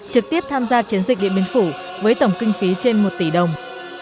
trực tiếp tham gia chiến dịch điện biên phủ với tổng kinh phí trên một tỷ đồng